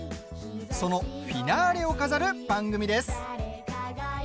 そのフィナーレを飾る番組です！